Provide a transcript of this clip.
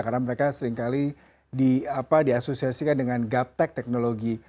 karena mereka seringkali diasosiasikan dengan gap tech teknologi